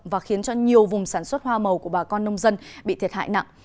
và khiến cho nhiều vùng sản xuất hoa màu của bà con nông dân bị thiệt hại nặng